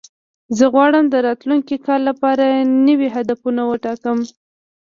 زه غواړم د راتلونکي کال لپاره نوي هدفونه وټاکم.